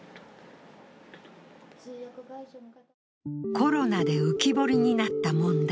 コロナで浮き彫りになった問題。